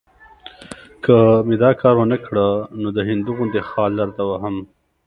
که مې دا کار ونه کړ، نو د هندو غوندې خال درته وهم.